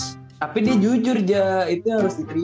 tapi dia jujur ja itu harus diterima